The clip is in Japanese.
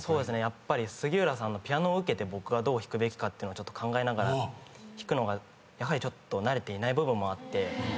やっぱり杉浦さんのピアノを受けて僕はどう弾くべきかって考えながら弾くのがやはり慣れていない部分もあって。